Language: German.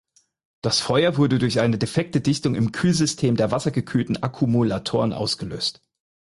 Das Feuer wurde durch eine defekte Dichtung im Kühlsystem der wassergekühlten Akkumulatoren ausgelöst.